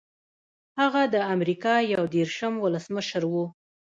هغه د امریکا یو دېرشم ولسمشر و.